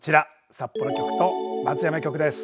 札幌局と松山局です。